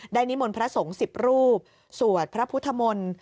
นิมนต์พระสงฆ์๑๐รูปสวดพระพุทธมนต์